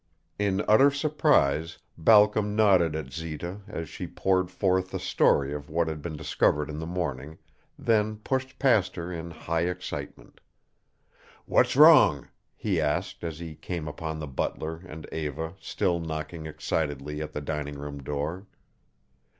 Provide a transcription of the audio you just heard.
In utter surprise Balcom nodded at Zita as she poured forth the story of what had been discovered in the morning, then pushed past her in high excitement. "What's wrong?" he asked as he came upon the butler and Eva still knocking excitedly at the dining room door.